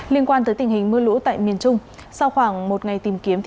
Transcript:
liên quan tới tình hình mưa lũ tại miền trung sau khoảng một ngày tìm kiếm